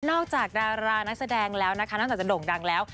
จากดารานักแสดงแล้วนะคะนอกจากจะโด่งดังแล้ว